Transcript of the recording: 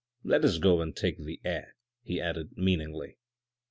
Let us go and take the air," he added, meaningly.